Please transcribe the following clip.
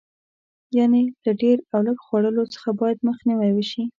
یعنې له ډېر او لږ خوړلو څخه باید مخنیوی وشي.